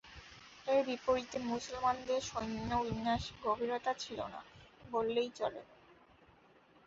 এর বিপরীতে মুসলমানদের সৈন্য বিন্যাসের গভীরতা ছিল না বললেই চলে।